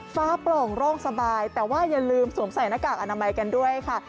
ฟ้าโปร่งโร่งสบายแต่ว่าอย่าลืมสวมใส่หน้ากากอนามัยกันด้วยค่ะ